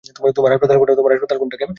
তোমার হাসপাতাল কোনটা, ক্যাম?